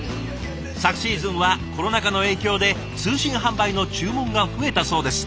昨シーズンはコロナ禍の影響で通信販売の注文が増えたそうです。